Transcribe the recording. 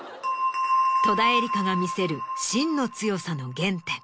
戸田恵梨香が見せる芯の強さの原点。